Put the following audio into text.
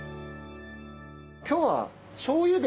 今日はしょうゆで。